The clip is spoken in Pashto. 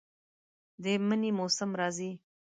د منی موسم راځي